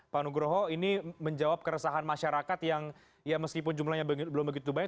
pak nugroho ini menjawab keresahan masyarakat yang ya meskipun jumlahnya belum begitu baik